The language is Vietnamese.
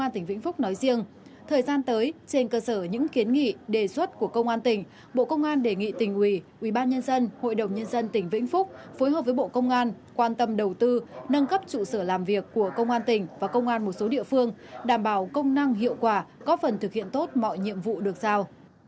thời gian tới trên cơ sở những kiến nghị đề xuất của công an tỉnh bộ công an đề nghị tỉnh ủy ubnd hội đồng nhân dân tỉnh vĩnh phúc phối hợp với bộ công an quan tâm đầu tư nâng cấp trụ sở làm việc của công an tỉnh và công an một số địa phương đảm bảo công năng hiệu quả có phần thực hiện tốt mọi nhiệm vụ được giao